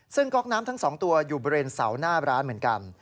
ซึ่งก๊อกน้ำทั้งสองตัวอยู่บริเวณเสาหน้าร้านเหมือนกัน